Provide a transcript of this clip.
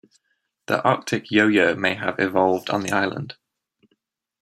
The Arctic yo-yo may have evolved on the island.